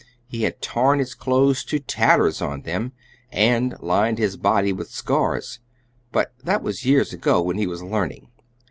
He had torn his clothes to tatters on them, and lined his body with scars. But that was years ago, when he was learning.